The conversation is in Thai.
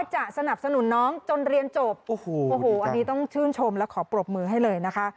สนับสนุนน้องจนเรียนจบโอ้โหอันนี้ต้องชื่นชมและขอปรบมือให้เลยนะคะ